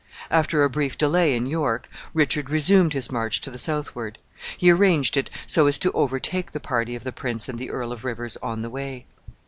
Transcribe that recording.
After a brief delay in York, Richard resumed his march to the southward. He arranged it so as to overtake the party of the prince and the Earl of Rivers on the way.